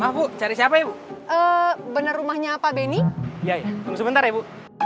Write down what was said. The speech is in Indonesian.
bahu cari siapa gottes bener rumahnya pak benny ya itu sebentar ibu